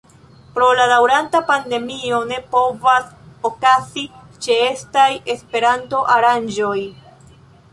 Pro la daŭranta pandemio ne povas okazi ĉeestaj Esperanto-aranĝoj.